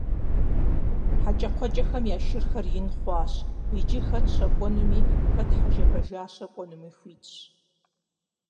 ХьэкӀэкхъуэкӀэхэм я шырхэр ин хъуащ, иджы хэт щэкӀуэнуми, хэт хьэжэбажащэ кӀуэнуми хуитщ.